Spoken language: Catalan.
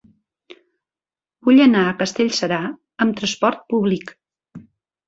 Vull anar a Castellserà amb trasport públic.